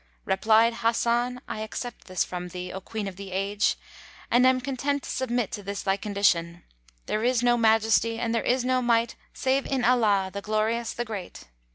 Replied Hasan, "I accept this from thee, O Queen of the Age, and am content to submit to this thy condition. There is no Majesty and there is no Might save in Allah, the Glorious, the Great!"